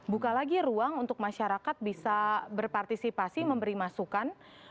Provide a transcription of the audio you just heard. buka lagi ruang untuk masyarakat bisa berpartisipasi memberi masukan